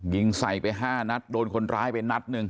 ยิงใส่ไป๕นัดโดนคนร้ายไปนัดหนึ่ง